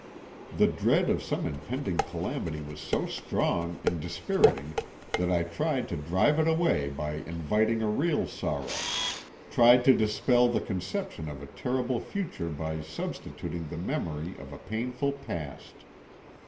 The dread of some impending calamity was so strong and dispiriting that I tried to drive it away by inviting a real sorrow—tried to dispel the conception of a terrible future by substituting the memory of a painful past.